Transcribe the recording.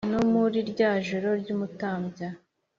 No muri rya joro ry'umutambya